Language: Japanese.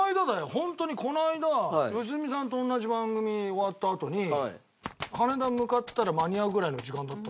ホントにこの間良純さんと同じ番組終わったあとに羽田向かったら間に合うぐらいの時間だった。